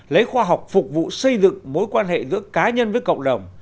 lấy khoa học phục vụ xây dựng mối quan hệ giữa cá nhân với cộng đồng